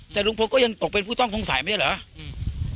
แต่หลุงโพธิ์ก็ยังตกเป็นผู้ต้องจงสัยไหมเนี่ยเหรอ